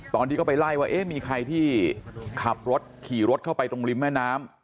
ตอนที่ก็ไปไล่ว่าเอ๊ะมีใครที่ขับรถขี่รถเข้าไปตรงริมแม่น้ำ